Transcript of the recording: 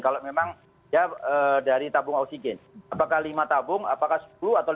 kalau memang ya dari tabung oksigen apakah lima tabung apakah sepuluh atau lima